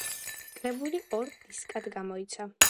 კრებული ორ დისკად გამოიცა.